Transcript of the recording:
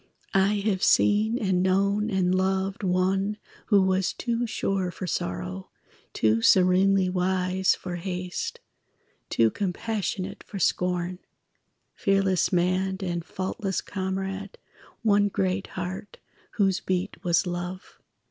I have seen and known and loved One who was too sure for sorrow, Too serenely wise for haste, Too compassionate for scorn, Fearless man and faultless comrade, One great heart whose beat was love.